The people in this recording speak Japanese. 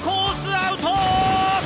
アウト！